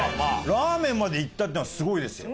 ラーメンまでいったっていうのがすごいですよ。